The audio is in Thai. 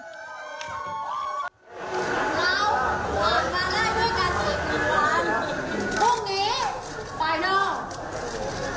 เรามาแล้วด้วยกันอีกวัน